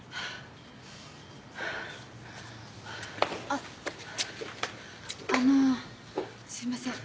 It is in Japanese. あっあのすいません。